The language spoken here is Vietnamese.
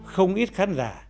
không ít khán giả